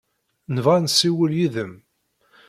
Nebɣa ad nessiwel yid-m.